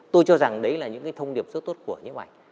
tôi cho rằng đấy là những thông điệp rất tốt của những ảnh